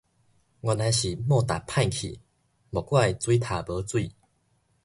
原來是モーター歹去，莫怪水塔無水